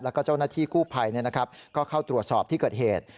แล้วก็เจ้าหน้าที่กู้ภัยก็เข้าตรวจสอบที่เกิดเหตุ